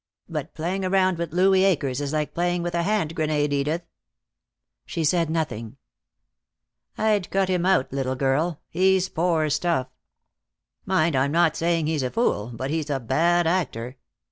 "But playing around with Louis Akers is like playing with a hand grenade, Edith." She said nothing. "I'd cut him out, little girl. He's poor stuff. Mind, I'm not saying he's a fool, but he's a bad actor.